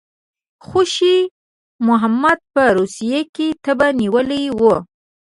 خوشي محمد په روسیې کې تبه نیولی وو.